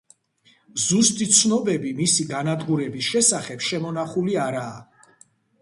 ზუსტი ცნობები მისი განადგურების შესახებ შემონახული არაა.